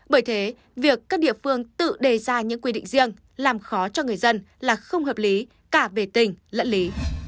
bởi thế việc các địa phương tự đề ra những quy định riêng làm khó cho người dân là không hợp lý cả về tình lẫn lý